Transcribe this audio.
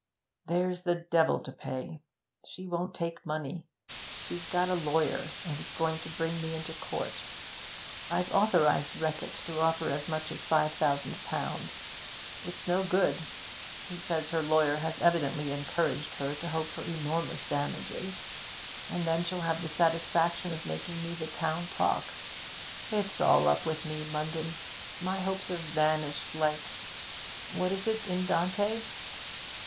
'There's the devil to pay. She won't take money. She's got a lawyer, and is going to bring me into court. I've authorised Reckitt to offer as much as five thousand pounds, it's no good. He says her lawyer has evidently encouraged her to hope for enormous damages, and then she'll have the satisfaction of making me the town talk. It's all up with me, Munden. My hopes are vanished like what is it in Dante?